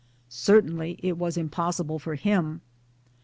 Certainly it was impos sible for him.